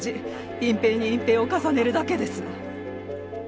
隠蔽に隠蔽を重ねるだけです。